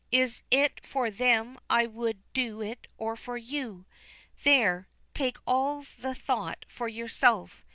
Is it for them I would do it or for you? There, take all the thought for yourself.